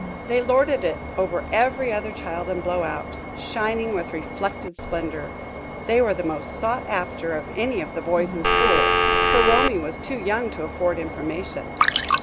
They lorded it over every other child in Blowout, shining with reflected splendor. They were the most sought after of any of the boys in school, for Romey was too young to afford information.